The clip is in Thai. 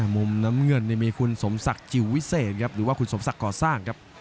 มุมน้ำเงินมีคุณสมศักดิ์จิ๋ววิเศษครับหรือว่าคุณสมศักดิ์ก่อสร้างครับ